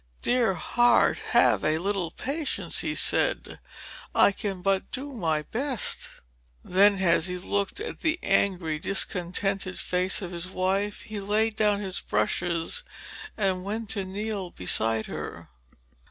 'Dear heart, have a little patience,' he said. 'I can but do my best.' Then, as he looked at the angry discontented face of his wife, he laid down his brushes and went to kneel beside her.